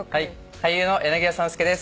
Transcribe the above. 俳優の柳谷参助です。